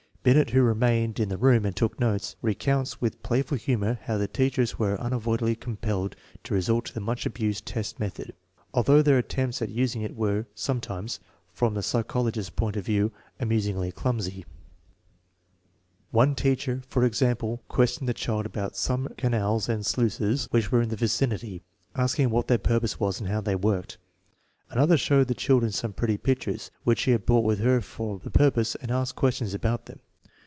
Binet, who remained in the room and took notes, recounts with play ful humor how the teachers were unavoidably compelled to resort to the much abused test method, although their attempts at using it were sometimes, from the psycholo gist's point of view, amusingly clumsy. 1 See p. 182/. of reference 2 at end of this book. 3S3 THE MEASUREMENT OF INTELLIGENCE One I earlier, for example, questioned the children about some canals and sluices winch were in Hie vicinity, asking what their purpose was and how they worked. Another showed I he children some pretly pictures, which she had brought with her for the purpose, and asked questions about them.